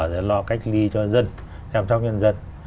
để lo cách ly cho dân giám trọng nhân dân